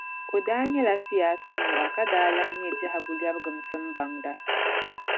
O daa nyɛla siyaasa nira ka daa lahi nyε biɛhigu lɛbigimsim baŋda.